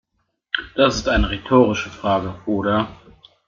Das ist eine rhetorische Frage, oder?